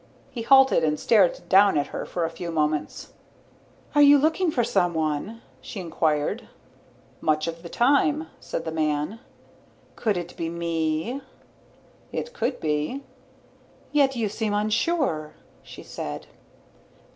He halted and stared down at her for a few moments. "You are looking for someone?" she inquired. "Much of the time," said the man. "Could it be me?" "It could be." "Yet you seem unsure," she said.